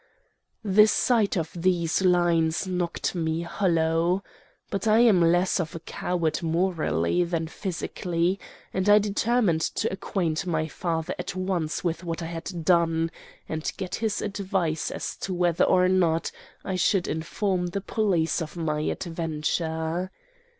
The sight of these lines knocked me hollow. But I am less of a coward morally than physically, and I determined to acquaint my father at once with what I had done, and get his advice as to whether or not I should inform the police of my adventure.